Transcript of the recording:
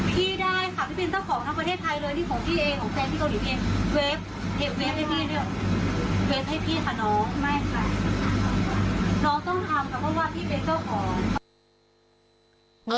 พี่เป็นเจ้าของ